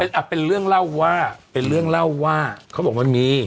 อ่ะเป็นเรื่องเล่าว่าเป็นเรื่องเล่าว่าเขาบอกมันมี